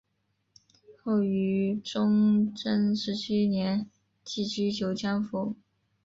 后于崇祯十七年寄居九江府。